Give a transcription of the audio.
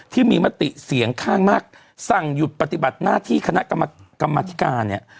มติเสียงข้างมากสั่งหยุดปฏิบัติหน้าที่คณะกรรมธิการเนี่ย